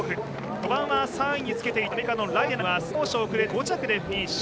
序盤は３位につけていたアメリカのライデナウは少し遅れて５着でフィニッシュ。